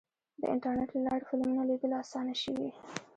د انټرنیټ له لارې فلمونه لیدل اسانه شوي.